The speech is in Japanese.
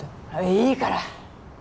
いいから。